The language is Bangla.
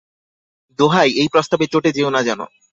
দোহাই, এই প্রস্তাবে চটে যেও না যেন।